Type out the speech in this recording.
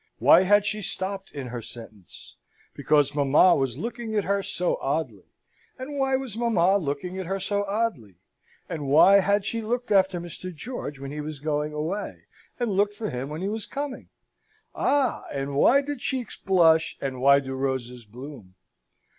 Why had she stopped in her sentence? Because mamma was looking at her so oddly. And why was mamma looking at her so oddly? And why had she looked after Mr. George when he was going away, and looked for him when he was coming? Ah, and why do cheeks blush, and why do roses bloom?